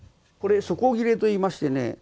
これ「底切れ」といいましてね